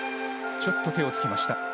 ちょっと手をつきました。